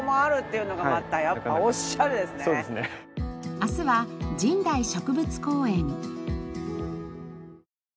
明日は神代植物公園。